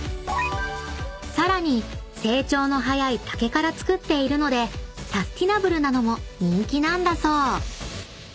［さらに成長の早い竹から作っているのでサスティナブルなのも人気なんだそう］